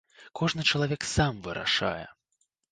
Кожны чалавек сам вырашае.